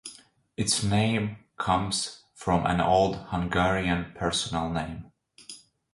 Its name comes from an old Hungarian personal name.